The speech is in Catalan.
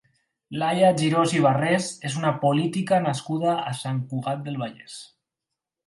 Laia Girós i Barrés és una política nascuda a Sant Cugat del Vallès.